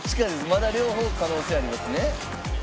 まだ両方可能性ありますね。